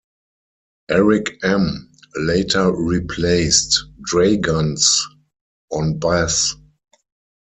Eric Emm later replaced Draguns on bass.